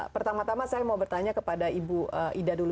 pertama tama saya mau bertanya kepada ibu ida dulu